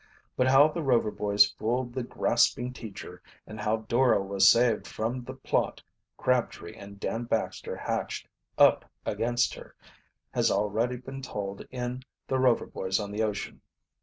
But how the Rover boys fooled the grasping teacher, and how Dora was saved from the plot Crabtree and Dan Baxter hatched up against her, has already been told in "The Rover Boys on the Ocean."